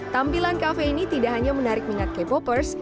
tampilan kafe ini tidak hanya menarik minat k popers